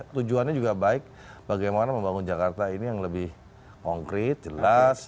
tujuannya juga baik bagaimana membangun jakarta ini yang lebih konkret jelas